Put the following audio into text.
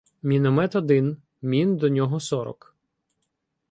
Міномет один — мін до нього сорок.